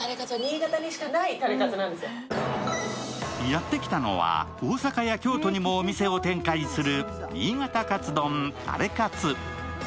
やってきたのは大阪や京都にもお店を展開する新潟カツ丼タレカツ。